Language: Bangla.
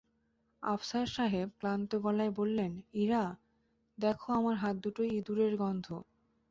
আফসার সাহেব ক্লান্ত গলায় বললেন, ইরা, দেখ আমার হাত দুটায় ইঁদুরের গন্ধ।